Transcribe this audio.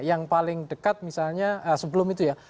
yang paling dekat misalnya sebelum itu ya